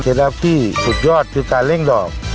เด็จอะไรพี่ถูกยอดคือการเล่งดอก